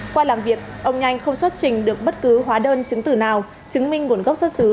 qua làm việc ông nhanh không xuất trình được bất cứ hóa đơn chứng tử nào chứng minh nguồn gốc xuất xứ